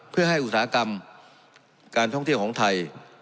เพื่อให้อุตสาหกรรมการท่องเที่ยวของไทย